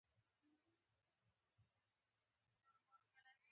د يل پوهنتون رييس هيډلي په يوه مرکه کې وويل.